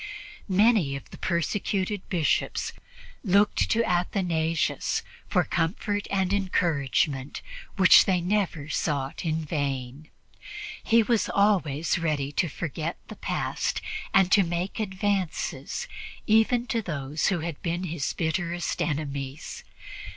Many of the persecuted Bishops looked to Athanasius for the comfort and encouragement which they never sought in vain. He was always ready to forget the past and to make advances even to those who had been his bitterest enemies.